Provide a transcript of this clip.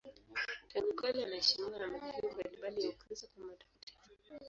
Tangu kale anaheshimiwa na madhehebu mbalimbali ya Ukristo kama mtakatifu.